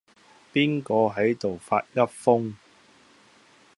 邊個係度發噏風